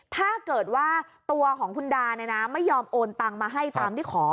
ถ้าเกิดว่าตัวของคุณดาไม่ยอมโอนตังมาให้ตามที่ขอ